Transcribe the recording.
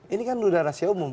ini kan sudah rahasia umum